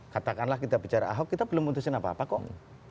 katakanlah kita bicara ahok kita belum putusin apa apa kok